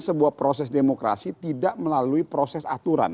sebuah proses demokrasi tidak melalui proses aturan